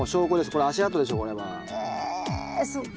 これ足跡でしょこれは。えっ。